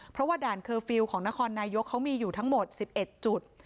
เพราะว่าด่านเคอร์ฟิลล์ของนครนายกเขามีอยู่ทั้งหมด๑๑จุด